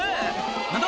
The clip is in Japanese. ⁉何だ？